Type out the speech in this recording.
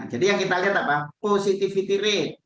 jadi yang kita lihat apa positivity rate